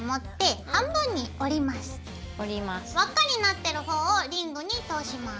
輪っかになってる方をリングに通します。